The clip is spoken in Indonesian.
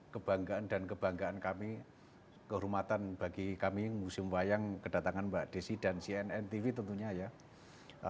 kebanggaan dan kebanggaan kami kehormatan bagi kami museum wayang kedatangan mbak desi dan cnn tv tentunya ya